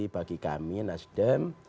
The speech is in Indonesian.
bagi kami nasdem